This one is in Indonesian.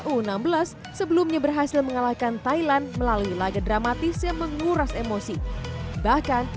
u enam belas sebelumnya berhasil mengalahkan thailand melalui laga dramatis yang menguras emosi bahkan